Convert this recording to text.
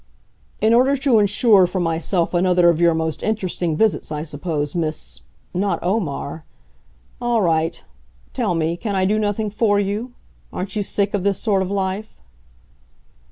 "In order to insure for myself another of your most interesting visits, I suppose, Miss not Omar? All right.... Tell me, can I do nothing for you? Aren't you sick of this sort of life?"